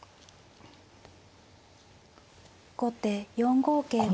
後手４五桂馬。